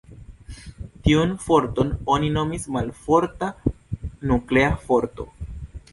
Tiun forton oni nomis malforta nuklea forto.